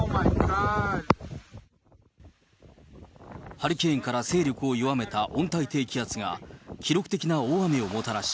ハリケーンから勢力を弱めた温帯低気圧が記録的な大雨をもたらし、